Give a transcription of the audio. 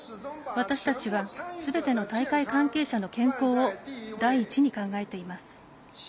私たちは、すべての大会関係者の健康を第一に考えています。